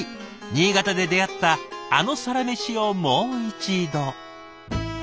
新潟で出会ったあのサラメシをもう一度。